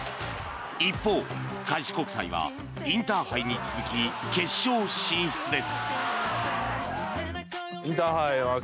一方、開志国際はインターハイに続き決勝進出です。